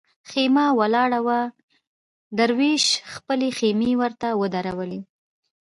خېمه ولاړه وه دروېش خپلې خېمې ورته ودرولې.